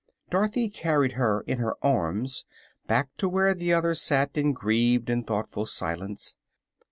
Dorothy carried her in her arms back to where the others sat in grieved and thoughtful silence.